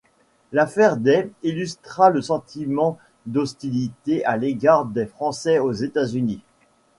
L'affaire des illustra le sentiment d'hostilité à l'égard des Français aux États-Unis.